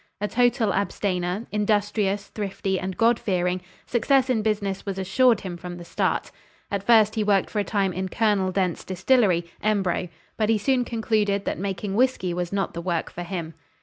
A total abstainer, industrious, thrifty and God fearing, success in business was assured him from the start. At first he worked for a time in Col. Dent's distillery, Embro; but he soon concluded that making whiskey was not the work for him.